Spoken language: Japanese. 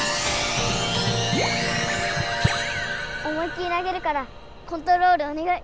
思いっきり投げるからコントロールおねがい！